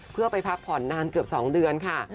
เพื่อไปพักผ่อนนานเกือบ๒เดือนค่ะ